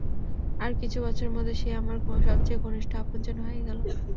আর কিছু বছরের মধ্যে সে আমার সবচেয়ে ঘনিষ্ঠ আপনজন হয়ে গেলো।